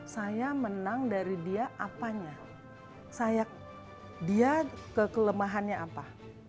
saya menang dari dia apanya dia kekelemahannya apa